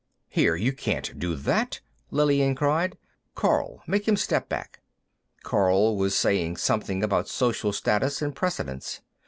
"Here, you can't do that!" Lillian cried. "Karl, make him step back." Karl was saying something about social status and precedence.